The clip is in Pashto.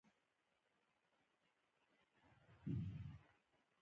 نظام د پرمختللو زده کړو له پاره وسائل او شرایط برابروي.